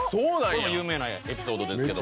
これも有名なエピソードですけど。